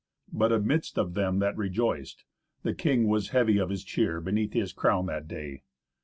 But, amidst of them that rejoiced, the king was heavy of his cheer beneath his crown that day.